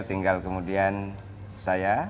tinggal kemudian saya